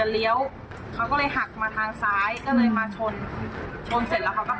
และทีนี้เหมือนรถเก่งเขากี้รถเก่งมา